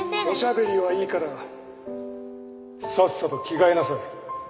おしゃべりはいいからさっさと着替えなさい。